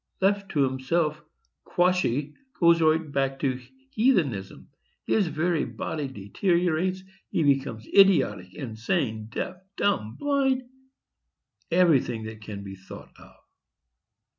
Left to himself, Quashy goes right back into heathenism. His very body deteriorates; he becomes idiotic, insane, deaf, dumb, blind,—everything that can be thought of.